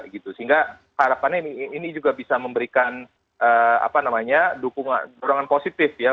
sehingga harapannya ini juga bisa memberikan dukungan positif ya